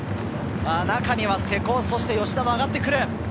中には瀬古そして吉田も上がってくる。